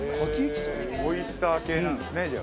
オイスター系なんですねじゃあ。